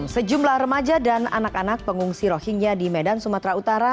sejumlah remaja dan anak anak pengungsi rohingya di medan sumatera utara